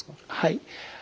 はい。